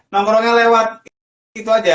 nongkrongnya lewat itu aja